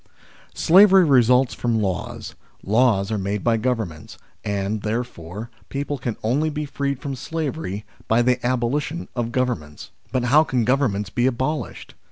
SLAVERY results from laws, laws are made by Governments, and, therefore, people can only be freed from slavery by the abolition of Govern ments. But how can Governments be abolished